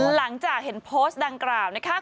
หลังจากเห็นโพสต์ดังกล่าวนะคะ